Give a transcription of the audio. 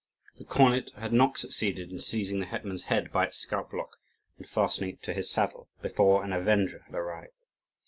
The cornet had not succeeded in seizing the hetman's head by its scalp lock, and fastening it to his saddle, before an avenger had arrived.